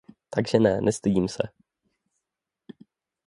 Takže ne, nestydím se.